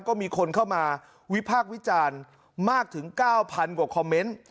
ก็มีคนเข้ามาวิพากษ์วิจารณ์มากถึง๙๐๐กว่าคอมเมนต์